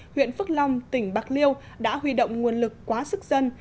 huyện phước long tỉnh bạc liêu đã huy động nguồn lực quá sức dân